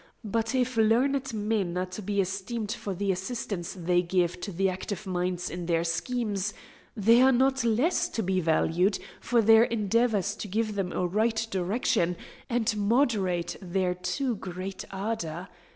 But if learned men are to be esteemed for the assistance they give to active minds in their schemes, they are not less to be valued for their endeavours to give them a right direction and moderate their too great ardour.